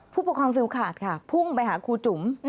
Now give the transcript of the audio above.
ผู้ปกครองฟิลขาดค่ะพุ่งไปหาครูจุ๋ม